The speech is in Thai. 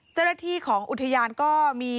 เจ้าหน้าที่ของอุทยานก็มี